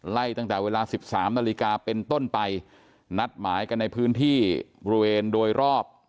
ไล่ตั้งแต่เวลาสิบสามนาฬิกาเป็นต้นไปนัดหมายกันในพื้นที่บริเวณโดยรอบ